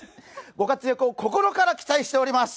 ご活躍を心から期待しております。